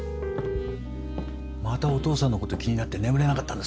またお父さんのこと気になって眠れなかったんですか？